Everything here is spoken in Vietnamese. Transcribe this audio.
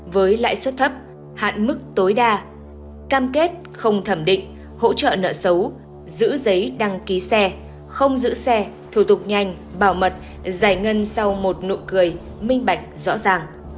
với lãi suất thấp hạn mức tối đa cam kết không thẩm định hỗ trợ nợ xấu giữ giấy đăng ký xe không giữ xe thủ tục nhanh bảo mật giải ngân sau một nụ cười minh bạch rõ ràng